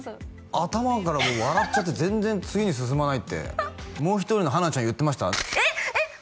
頭からもう笑っちゃって全然次に進まないってもう一人のハナちゃん言ってましたえっえっ！？